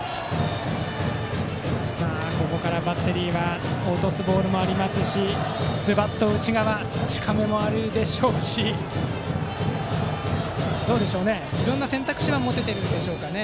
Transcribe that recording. ここからバッテリーは落とすボールもありますしズバッと内側近めもあるでしょうしいろいろな選択肢は持ているでしょうか。